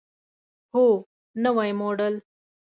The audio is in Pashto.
هو، نوی موډل